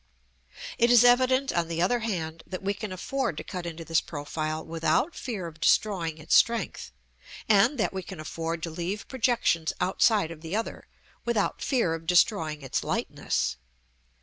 It is evident, on the other hand, that we can afford to cut into this profile without fear of destroying its strength, and that we can afford to leave projections outside of the other, without fear of destroying its lightness.